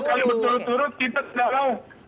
kalau betul betul kita tidak mau